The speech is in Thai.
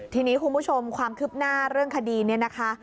ทีนี้คุณผู้ชมความคืบหน้าเรื่องคดีเนี่ยนะคะ